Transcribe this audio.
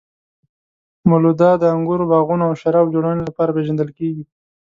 مولدوا د انګورو باغونو او شرابو جوړونې لپاره پېژندل کیږي.